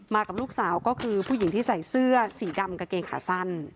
กับลูกสาวก็คือผู้หญิงที่ใส่เสื้อสีดำกางเกงขาสั้น